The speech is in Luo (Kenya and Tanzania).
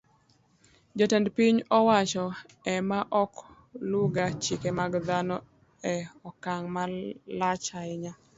Jotend piny owacho e ma ok luwga chike mag dhano e okang' malach ahinya.